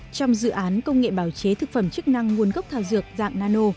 trong dự án công nghệ bào chế thực phẩm chức năng nguồn gốc thảo dược dạng nano